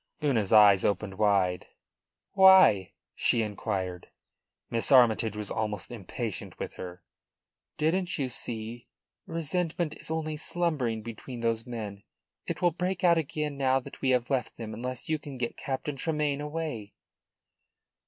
Una's eyes opened wide. "Why?" she inquired. Miss Armytage was almost impatient with her. "Didn't you see? Resentment is only slumbering between those men. It will break out again now that we have left them unless you can get Captain Tremayne away."